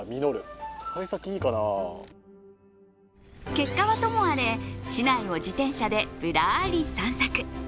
結果はともあれ、市内を自転車でぶらり散策。